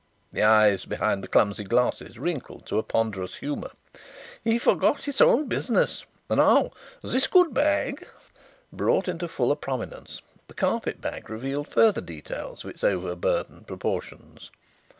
The eyes behind the clumsy glasses wrinkled to a ponderous humour. "He forgot his own business. Now this goot bag " Brought into fuller prominence, the carpet bag revealed further details of its overburdened proportions.